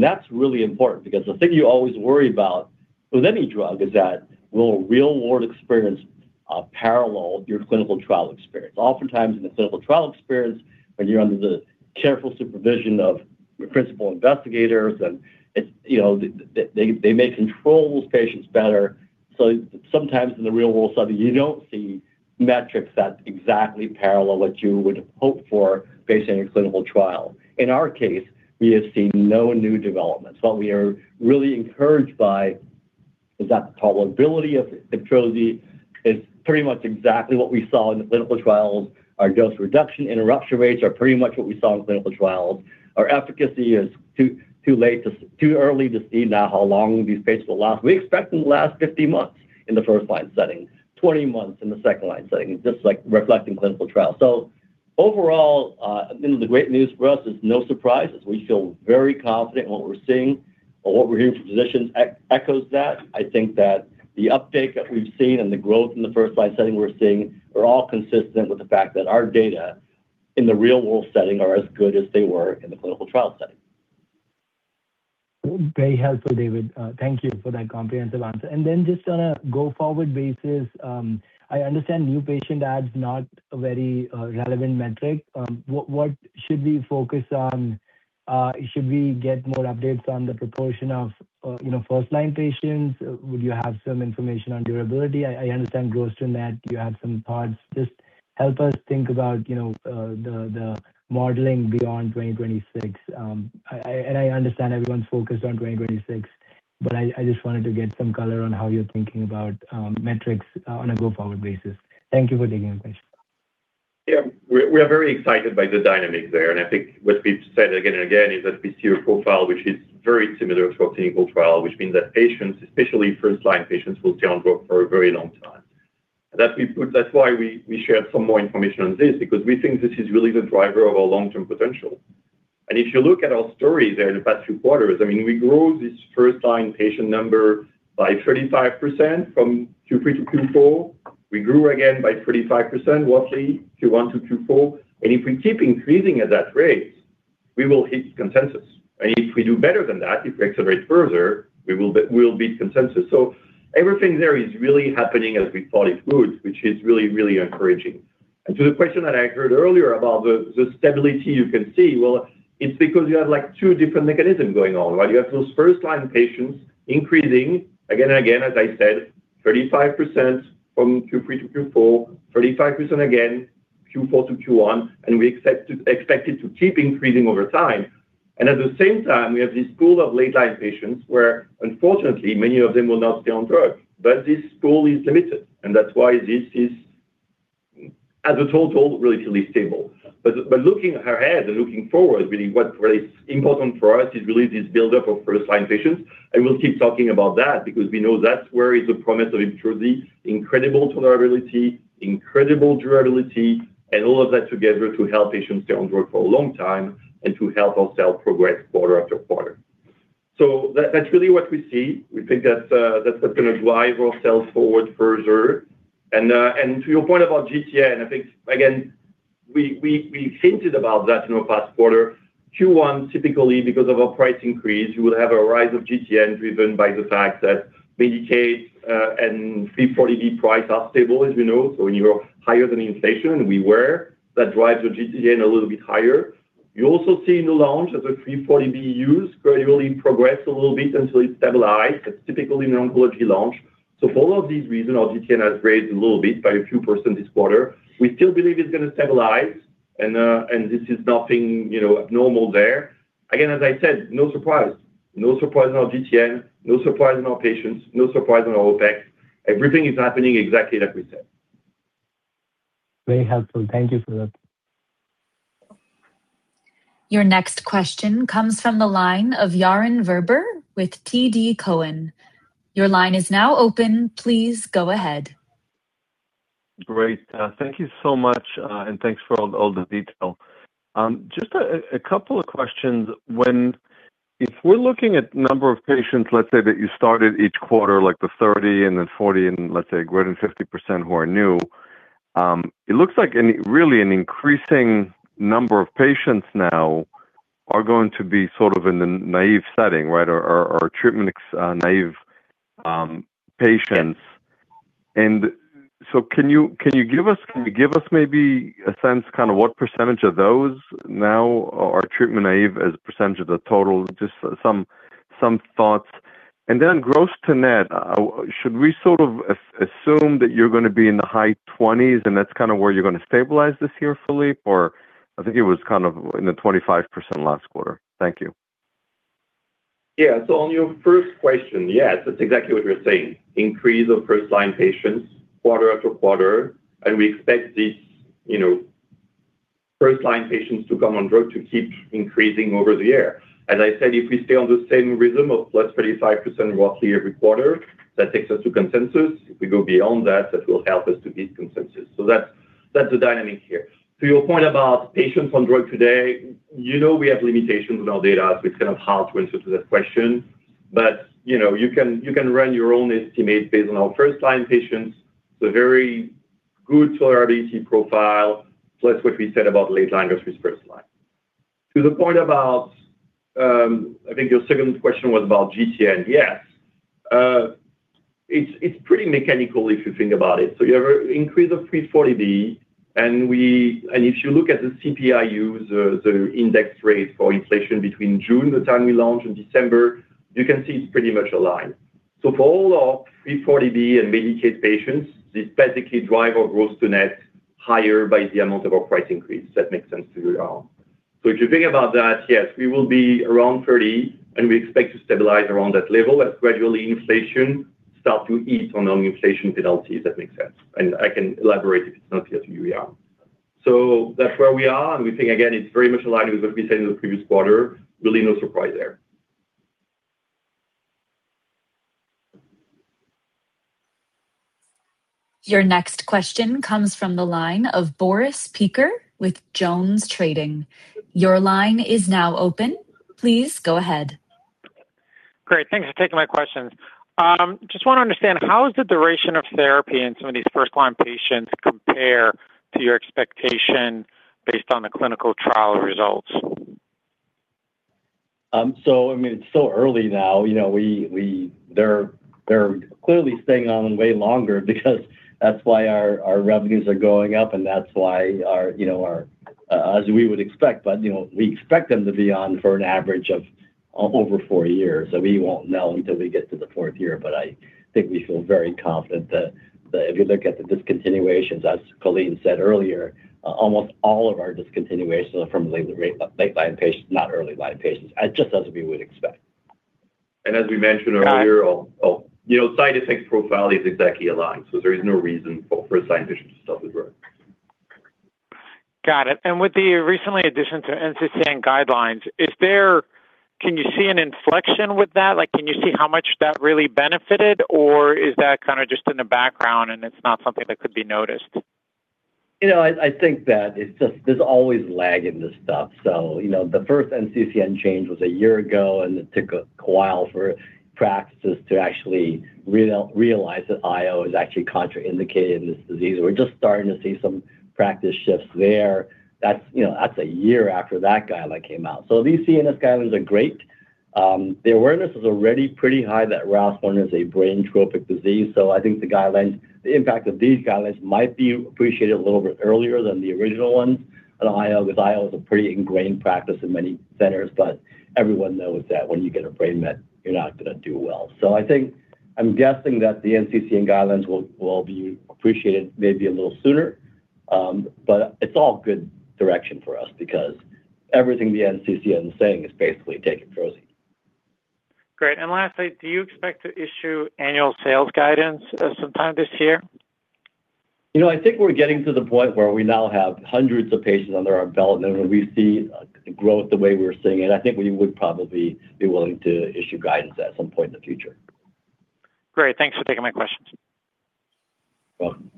That's really important because the thing you always worry about with any drug is that will real-world experience parallel your clinical trial experience? Oftentimes in the clinical trial experience, when you're under the careful supervision of your principal investigators and you know, they may control those patients better. Sometimes in the real world setting, you don't see metrics that exactly parallel what you would hope for based on your clinical trial. In our case, we have seen no new developments. What we are really encouraged by is that tolerability of Ibtrozi is pretty much exactly what we saw in the clinical trials. Our dose reduction interruption rates are pretty much what we saw in clinical trials. Our efficacy is too early to see now how long these patients will last. We expect them to last 50 months in the first-line setting, 20 months in the second-line setting, just like reflecting clinical trials. Overall, you know, the great news for us is no surprises. We feel very confident in what we're seeing, and what we're hearing from physicians echoes that. I think that the uptake that we've seen and the growth in the first-line setting we're seeing are all consistent with the fact that our data in the real-world setting are as good as they were in the clinical trial setting. Very helpful, David. Thank you for that comprehensive answer. Then just on a go-forward basis, I understand new patient adds not a very relevant metric. What should we focus on? Should we get more updates on the proportion of, you know, first-line patients? Would you have some information on durability? I understand gross to net, you have some thoughts. Just help us think about, you know, the modeling beyond 2026. I understand everyone's focused on 2026, I just wanted to get some color on how you're thinking about metrics on a go-forward basis. Thank you for taking my question. We're very excited by the dynamic there. I think what we've said again and again is that we see a profile which is very similar to our clinical trial, which means that patients, especially first-line patients, will stay on board for a very long time. That's why we shared some more information on this because we think this is really the driver of our long-term potential. If you look at our story there the past two quarters, I mean, we grew this first-line patient number by 35% from Q3 to Q4. We grew again by 35% quarterly, Q1 to Q4. If we keep increasing at that rate, we will hit consensus. If we do better than that, if we accelerate further, we'll beat consensus. Everything there is really happening as we thought it would, which is really, really encouraging. To the question that I heard earlier about the stability you can see, well, it's because you have, like, two different mechanisms going on, right? You have those first-line patients increasing again and again, as I said, 35% from Q3 to Q4, 35% again Q4 to Q1, and we expect it to keep increasing over time. At the same time, we have this pool of late-line patients where unfortunately many of them will not stay on drug. This pool is limited, and that's why this is, as a total, relatively stable. Looking ahead and looking forward, really, what is important for us is really this buildup of first-line patients, and we'll keep talking about that because we know that's where is the promise of Ibtrozi. Incredible tolerability, incredible durability, and all of that together to help patients stay on drug for a long time and to help ourselves progress quarter after quarter. That's really what we see. We think that's what's gonna drive our sales forward further. To your point about GTN, I think again, we hinted about that in our past quarter. Q1, typically because of our price increase, you will have a rise of GTN driven by the fact that Medicaid, and 340B price are stable, as we know. When you're higher than inflation, and we were, that drives your GTN a little bit higher. You also see in the launch as a 340B used gradually progress a little bit until it stabilize. That's typically an oncology launch. For all of these reasons, our GTN has raised a little bit by a few percent this quarter. We still believe it's gonna stabilize and this is nothing, you know, abnormal there. Again, as I said, no surprise. No surprise on our GTN, no surprise on our patients, no surprise on our OpEx. Everything is happening exactly like we said. Very helpful. Thank you for that. Your next question comes from the line of Yaron Werber with TD Cowen. Your line is now open. Please go ahead. Great. Thank you so much, and thanks for all the detail. Just a couple of questions. If we're looking at number of patients, let's say, that you started each quarter, like the 30 and then 40 and let's say greater than 50% who are new, it looks like a really increasing number of patients now are going to be sort of in the naive setting, right? Or, or treatment naive patients. Can you, can you give us, can you give us maybe a sense kind of what percentage of those now are treatment naive as a percentage of the total? Just some thoughts. Gross to net, should we sort of assume that you're going to be in the high twenties, and that's kind of where you're going to stabilize this year, Philippe? I think it was kind of in the 25% last quarter. Thank you. On your first question, yes, that's exactly what you're saying. Increase of first-line patients quarter after quarter. We expect this, you know, first-line patients to come on drug to keep increasing over the year. As I said, if we stay on the same rhythm of +35% roughly every quarter, that takes us to consensus. If we go beyond that will help us to beat consensus. That's the dynamic here. To your point about patients on drug today, you know we have limitations with our data, it's kind of hard to answer to that question. You know, you can run your own estimate based on our first-line patients. It's a very good tolerability profile, plus what we said about late line versus first line. To the point about, I think your second question was about GTN. Yes, it's pretty mechanical if you think about it. You have a increase of 340B. If you look at the CPI-U, the index rate for inflation between June, the time we launched, and December, you can see it's pretty much aligned. For all of 340B and Medicaid patients, this basically drive our gross to net higher by the amount of our price increase. That makes sense to you all. If you think about that, yes, we will be around 30, and we expect to stabilize around that level as gradually inflation start to ease on our inflation penalties, if that makes sense. I can elaborate if it's not clear to you where we are. That's where we are, and we think again, it's very much aligned with what we said in the previous quarter. Really no surprise there. Your next question comes from the line of Boris Peaker with JonesTrading. Your line is now open. Please go ahead. Great. Thanks for taking my questions. Just want to understand, how is the duration of therapy in some of these first-line patients compare to your expectation based on the clinical trial results? I mean, it's still early now. You know, They're clearly staying on way longer because that's why our revenues are going up, that's why our, you know, our as we would expect. You know, we expect them to be on for an average of over 4 years. We won't know until we get to the 4th year. I think we feel very confident that if you look at the discontinuations, as Colleen said earlier, almost all of our discontinuations are from late line patients, not early line patients. Just as we would expect. As we mentioned earlier. Got- You know, side effects profile is exactly aligned, there is no reason for a said patient to stop the drug. Got it. With the recent addition to NCCN guidelines, can you see an inflection with that? Like, can you see how much that really benefited, or is that kind of just in the background, and it's not something that could be noticed? You know, I think that it's just there's always lag in this stuff. You know, the first NCCN change was a year ago, and it took a while for practices to actually realize that IO is actually contraindicated in this disease. We're just starting to see some practice shifts there. That's, you know, that's a year after that guideline came out. These CNS guidelines are great. The awareness was already pretty high that ROS1 is a brain tropic disease. I think the guidelines, the impact of these guidelines might be appreciated a little bit earlier than the original ones. IO, with IO is a pretty ingrained practice in many centers, but everyone knows that when you get a brain met, you're not gonna do well. I think I'm guessing that the NCCN guidelines will be appreciated maybe a little sooner. It's all good direction for us because everything the NCCN is saying is basically take control. Great. Lastly, do you expect to issue annual sales guidance sometime this year? You know, I think we're getting to the point where we now have hundreds of patients under our belt. When we see growth the way we're seeing it, I think we would probably be willing to issue guidance at some point in the future Great. Thanks for taking my questions. One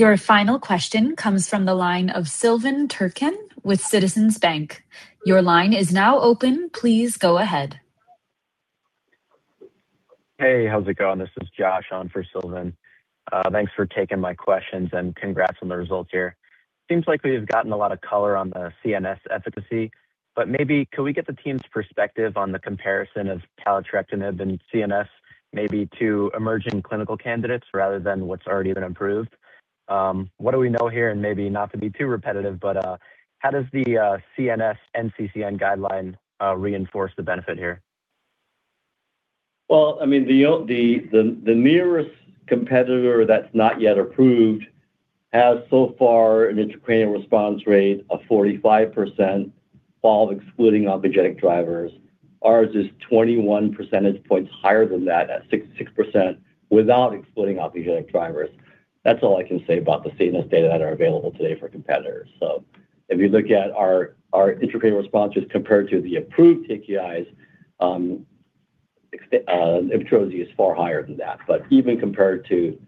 Your final question comes from the line of Sylvan Turcan with Citizens JMP. Your line is now open. Please go ahead. Hey, how's it going? This is Josh on for Sylvan. Thanks for taking my questions, and congrats on the results here. Seems like we have gotten a lot of color on the CNS efficacy, but maybe could we get the team's perspective on the comparison of taletrectinib and CNS maybe to emerging clinical candidates rather than what's already been improved? What do we know here? Maybe not to be too repetitive, but how does the CNS NCCN guideline reinforce the benefit here? Well, I mean, the nearest competitor that's not yet approved has so far an intracranial response rate of 45% while excluding oncogenic drivers. Ours is 21 percentage points higher than that at 66% without excluding oncogenic drivers. That's all I can say about the CNS data that are available today for competitors. If you look at our intracranial responses compared to the approved TKIs, Ibtrozi is far higher than that. Even compared to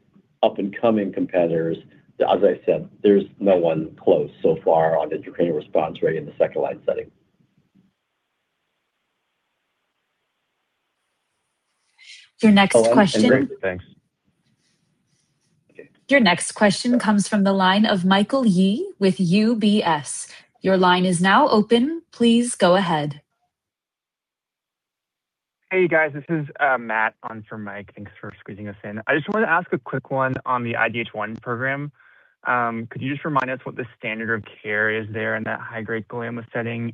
up-and-coming competitors, as I said, there's no one close so far on intracranial response rate in the second line setting. Your next question. Great. Thanks. Your next question comes from the line of Michael Yee with UBS. Your line is now open. Please go ahead. Hey, guys. This is Matt on for Mike. Thanks for squeezing us in. I just wanted to ask a quick one on the IDH1 program. Could you just remind us what the standard of care is there in that high-grade glioma setting?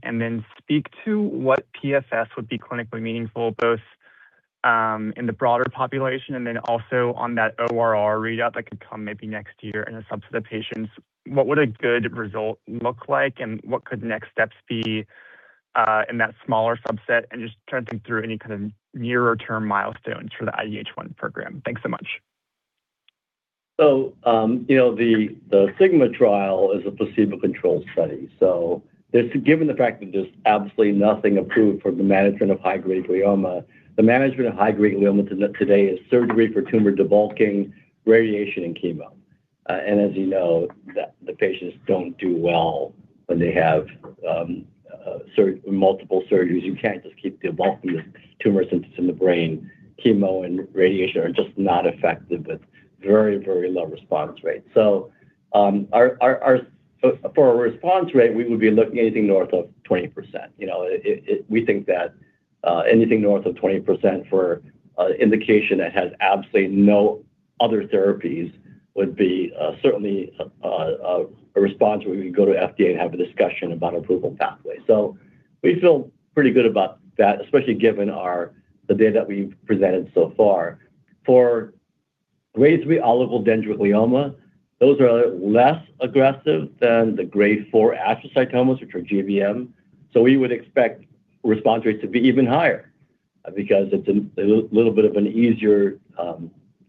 Speak to what PFS would be clinically meaningful, both in the broader population and then also on that ORR readout that could come maybe next year in a subset of patients. What would a good result look like, and what could next steps be in that smaller subset? Just turn us through any kind of nearer-term milestones for the IDH1 program. Thanks so much. You know, the SIGMA trial is a placebo-controlled study. Given the fact that there's absolutely nothing approved for the management of high-grade glioma, the management of high-grade glioma today is surgery for tumor debulking, radiation, and chemo. As you know, the patients don't do well when they have multiple surgeries. You can't just keep debulking the tumor since it's in the brain. Chemo and radiation are just not effective with very low response rates. For a response rate, we would be looking anything north of 20%, you know. We think that anything north of 20% for an indication that has absolutely no other therapies would be certainly a response where we can go to FDA and have a discussion about approval pathway. We feel pretty good about that, especially given the data we've presented so far. For grade 3 oligodendroglioma, those are less aggressive than the grade 4 astrocytomas, which are GBM. We would expect response rates to be even higher because it's an a little bit of an easier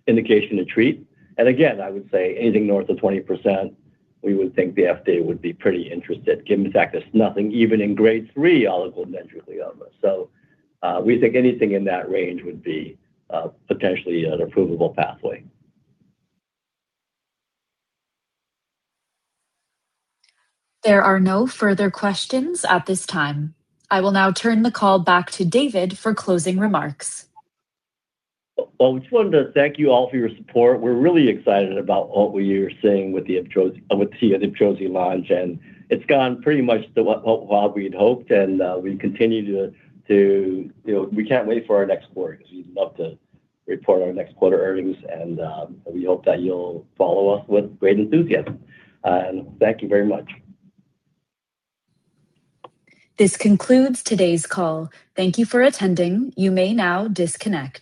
indication to treat. Again, I would say anything north of 20%, we would think the FDA would be pretty interested given the fact there's nothing even in grade 3 oligodendroglioma. We think anything in that range would be potentially an approvable pathway. There are no further questions at this time. I will now turn the call back to David for closing remarks. Well, we just wanted to thank you all for your support. We're really excited about what we are seeing with the Ibtrozi launch, it's gone pretty much the way well we'd hoped we continue to, you know, we can't wait for our next quarter 'cause we'd love to report our next quarter earnings we hope that you'll follow up with great enthusiasm. Thank you very much. This concludes today's call. Thank you for attending. You may now disconnect.